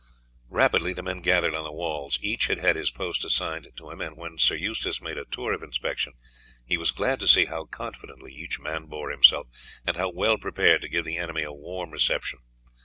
Rapidly the men gathered on the walls; each had had his post assigned to him, and when Sir Eustace made a tour of inspection he was glad to see how confidently each man bore himself, and how well prepared to give the enemy a warm reception.